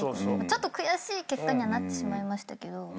ちょっと悔しい結果にはなってしまいましたけど。